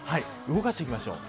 動かしていきます。